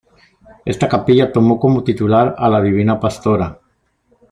Esta capilla tomó como titular a la Divina Pastora.